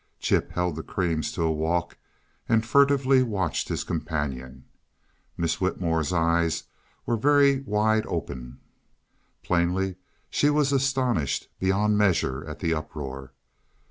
Chip held the creams to a walk and furtively watched his companion. Miss Whitmore's eyes were very wide open; plainly, she was astonished beyond measure at the uproar.